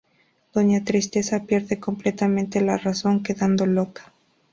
Doña Tristeza pierde completamente la razón, quedando loca.